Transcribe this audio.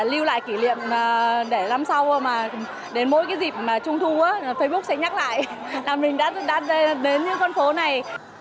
lưu lại kỷ niệm để năm sau đến mỗi dịp trung thu facebook sẽ nhắc lại là mình đã đến những con phố này